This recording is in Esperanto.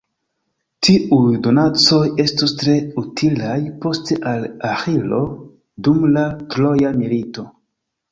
Tiuj donacoj estos tre utilaj poste al Aĥilo dum la Troja milito.